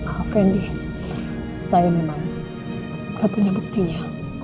ah fendi saya memang tak punya buktinya